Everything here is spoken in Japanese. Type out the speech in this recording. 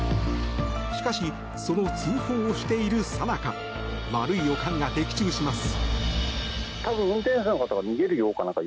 しかし、その通報しているさなか悪い予感が的中します。